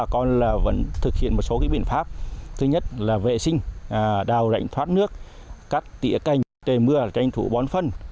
các bệnh pháp thứ nhất là vệ sinh đào rảnh thoát nước cắt tỉa canh để mưa tranh thủ bón phân